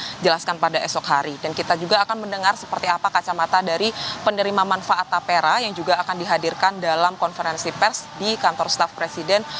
yang dijelaskan pada esok hari dan kita juga akan mendengar seperti apa kacamata dari penerima manfaat tapera yang juga akan dihadirkan dalam konferensi pers di kantor staff presiden